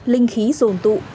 linh khí rồn tụ